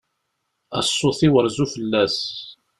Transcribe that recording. A ṣṣut-iw rzu fell-as.